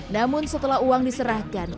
namun setelah uang diserahkan